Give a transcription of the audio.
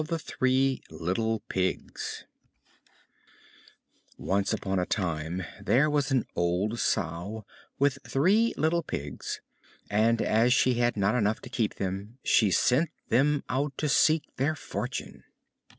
THE THREE LITTLE PIGS Once upon a time there was an old Sow with three little Pigs, and as she had not enough to keep them, she sent them out to seek their fortune.